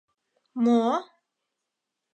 Мо-о?!.